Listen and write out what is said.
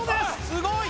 すごい！